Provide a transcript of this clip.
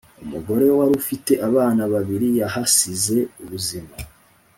umugore warufite abana babiri yahasize ubuzima